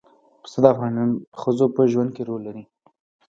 پسه د افغان ښځو په ژوند کې رول لري.